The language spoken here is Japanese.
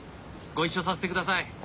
ご一緒させてください。